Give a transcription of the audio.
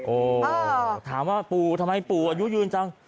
ถามว่าปู่ทำไมปู่อายุยืนจัง